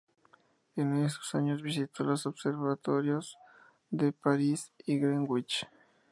En esos años visitó los observatorios de París y Greenwich.